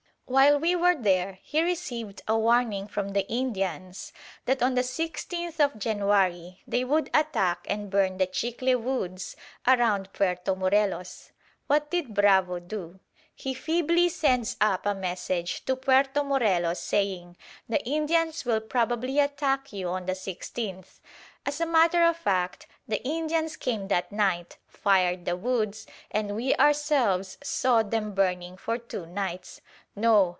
While we were there he received a warning from the Indians that on the 16th of January they would attack and burn the chicle woods around Puerto Morelos. What did Bravo do? He feebly sends up a message to Puerto Morelos saying "The Indians will probably attack you on the 16th." As a matter of fact the Indians came that night, fired the woods, and we ourselves saw them burning for two nights. No!